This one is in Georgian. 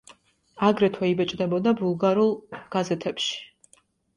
აგრეთვე იბეჭდებოდა ბულგარულ გაზეთებში.